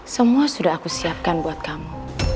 semua sudah aku siapkan buat kamu